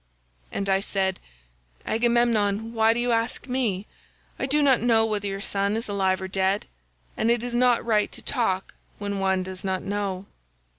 "And I said, 'Agamemnon, why do you ask me? I do not know whether your son is alive or dead, and it is not right to talk when one does not know.